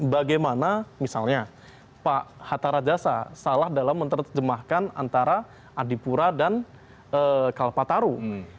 bagaimana misalnya pak hatta rajasa salah dalam menerjemahkan antara adipura dan kalpataru